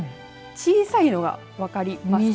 小さいのが分かりますか。